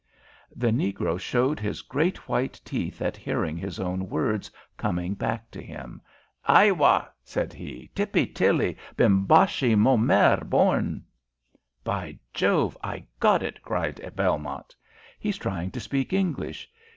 The negro showed his great white teeth at hearing his own words coming back to him. "Aiwa!" said he. "Tippy Tilly Bimbashi Mormer Bourn!" "By Jove, I got it!" cried Belmont. "He's trying to speak English.